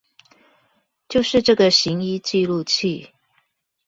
就是這個行醫記錄器